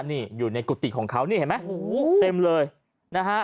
นี่อยู่ในกุฏิของเขานี่เห็นไหมโอ้โหเต็มเลยนะฮะ